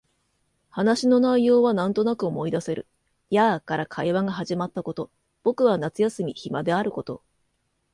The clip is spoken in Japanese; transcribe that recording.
話の内容はなんとなく思い出せる。やあ、から会話が始まったこと、僕は夏休み暇であること、